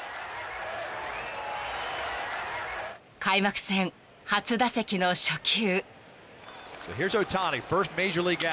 ［開幕戦初打席の初球］